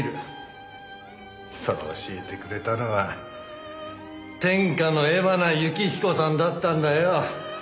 そう教えてくれたのは天下の江花幸彦さんだったんだよ。